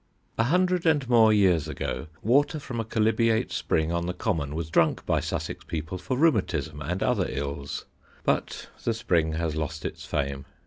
A hundred and more years ago water from a chalybeate spring on the common was drunk by Sussex people for rheumatism and other ills; but the spring has lost its fame.